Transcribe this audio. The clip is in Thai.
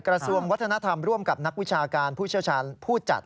กระทรวงวัฒนธรรมร่วมกับนักวิชาการผู้เชี่ยวชาญผู้จัด